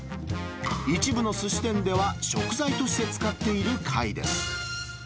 一部のすし店では食材として使っている貝です。